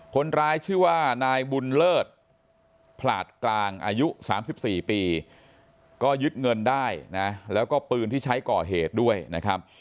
คนร้ายชื่อว่านายบุญเลิศพผลาดกลางอายุ๓๔ปีก็ยึดเงินได้นะแล้วก็ปืนที่ใช้ก่อเหตุด้วยนะครับ